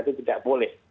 itu tidak boleh